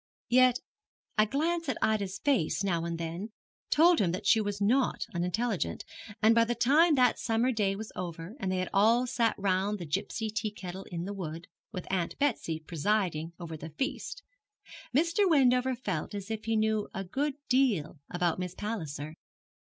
Yet a glance at Ida's face now and then told him that she was not unintelligent, and by the time that summer day was over, and they all sat round the gipsy tea kettle in the wood, with Aunt Betsy presiding over the feast, Mr. Wendover felt as if he knew a good deal about Miss Palliser.